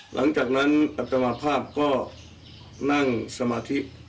หลังจากนั้นอัตมาภาพก็นั่งสมาธิ